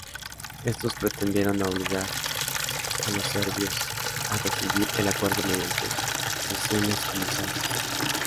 Estos pretendieron obligar a los serbios a rescindir el acuerdo mediante presiones comerciales.